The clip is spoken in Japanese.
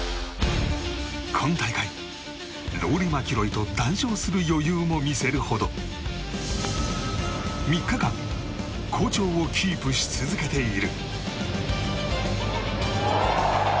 今大会、ローリー・マキロイと談笑する余裕も見せるほど３日間好調をキープし続けている。